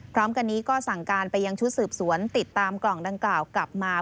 พร้อมกันนี้ก็สั่งการไปยังชุดสืบสวนติดตามกล่องดังกล่าวกลับมา